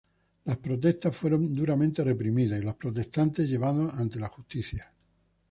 Las protestas fueron duramente reprimidas y los protestantes llevados ante la justicia.